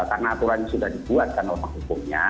karena aturan sudah dibuat karena lemah hukumnya